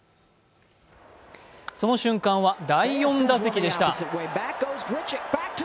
その瞬間は第４打席でした。